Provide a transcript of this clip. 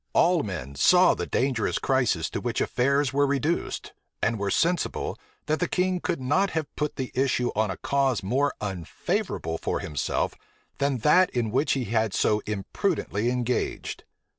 All men saw the dangerous crisis to which affairs were reduced, and were sensible, that the king could not have put the issue on a cause more unfavorable for himself than that in which he had so imprudently engaged.